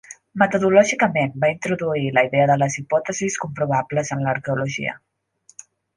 Metodològicament va introduir la idea de les hipòtesis comprovables en l'arqueologia.